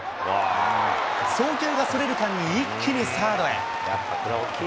送球がそれる間に一気にサードへ。